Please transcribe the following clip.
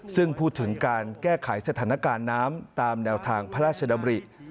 ซึ่งพูดถึงการแก้ไขสถานการณ์น้ำตามแนวทางพระราชดำริ